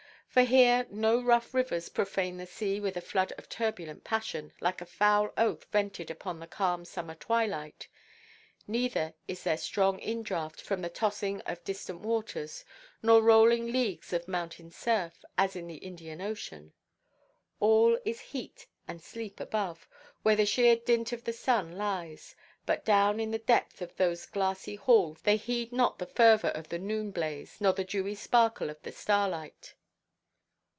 For here no rough rivers profane the sea with a flood of turbulent passion, like a foul oath vented upon the calm summer twilight; neither is there strong indraught from the tossing of distant waters, nor rolling leagues of mountain surf, as in the Indian Ocean. All is heat and sleep above, where the sheer dint of the sun lies; but down in the depth of those glassy halls they heed not the fervour of the noon–blaze, nor the dewy sparkle of starlight.